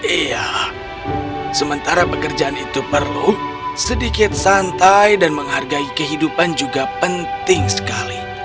iya sementara pekerjaan itu perlu sedikit santai dan menghargai kehidupan juga penting sekali